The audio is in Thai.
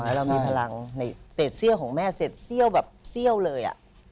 ขอให้เรามีพลังเสร็จเสี้ยวของแม่เสร็จเสี้ยวแบบเสี้ยวเลย